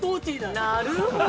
◆なるほど。